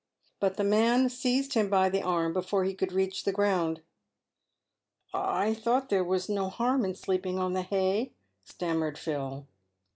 But the man seized him by the arm before he could reach the ground. " I thought there was no harm sleeping on the hay," stammered Phil.